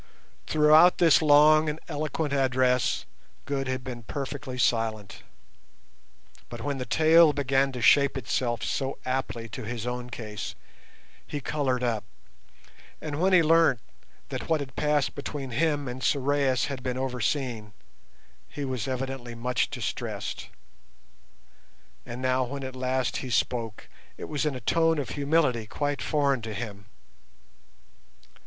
Throughout this long and eloquent address Good had been perfectly silent, but when the tale began to shape itself so aptly to his own case, he coloured up, and when he learnt that what had passed between him and Sorais had been overseen he was evidently much distressed. And now, when at last he spoke, it was in a tone of humility quite foreign to him.